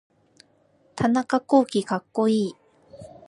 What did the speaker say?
田中洸希かっこいい